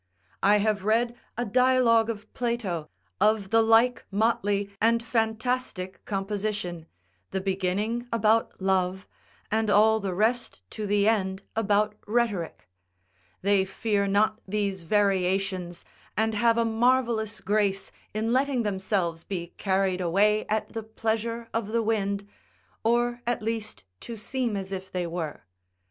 I have read a dialogue of Plato, [The Phaedrus.] of the like motley and fantastic composition, the beginning about love, and all the rest to the end about rhetoric; they fear not these variations, and have a marvellous grace in letting themselves be carried away at the pleasure of the wind, or at least to seem as if they were.